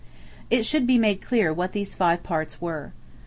It should be made clear what these five parts were.